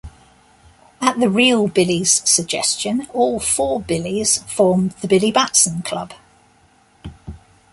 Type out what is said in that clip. At the "real" Billy's suggestion, all four Billys form the Billy Batson Club.